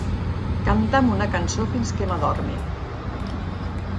Canta'm una cançó fins que m'adormi.